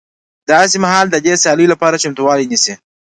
داسې مهال د دې سیالیو لپاره چمتوالی نیسي